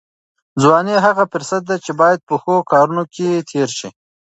ځواني هغه فرصت دی چې باید په ښو کارونو کې تېر شي.